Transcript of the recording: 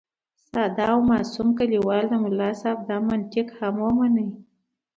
ساده او معصوم کلیوال د ملا صاحب دا منطق هم ومنلو.